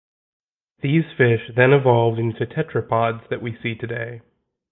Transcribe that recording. These fish then evolved into tetrapods that we see today.